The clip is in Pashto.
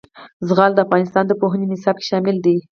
زغال د افغانستان د پوهنې نصاب کې شامل دي.